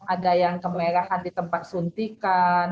ada yang kemerahan di tempat suntikan